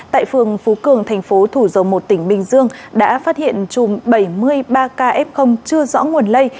tại phường phú cường tp thủ dầu một tỉnh bình dương đã phát hiện chùm bảy mươi ba ca f chưa rõ nguồn lây